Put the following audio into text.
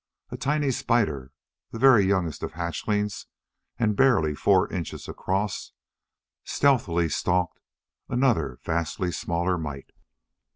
A tiny spider, the very youngest of hatchlings and barely four inches across, stealthily stalked another vastly smaller mite.